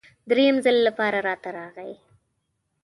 دریم ځل لپاره راته راغی.